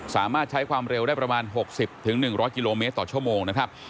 สามารถใช้ความเร็วได้ประมาณ๖๐๑๐๐กิโลเมตรต่อชั่วโมงนะครับ